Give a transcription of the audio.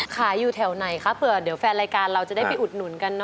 อยู่แถวไหนคะเผื่อเดี๋ยวแฟนรายการเราจะได้ไปอุดหนุนกันเน